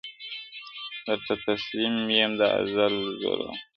درته تسلیم یم د ازل زوره,